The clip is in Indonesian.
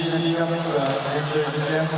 jadi gak menjadi game